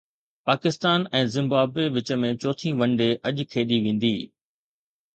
Pakistan ۽ Zimbabwe وچ ۾ چوٿين one day اڄ کيڏي ويندي